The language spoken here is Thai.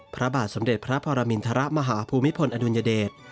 พระบาทสมเด็จพระปรมินทรมาหาภูมิพลอดุลยเดช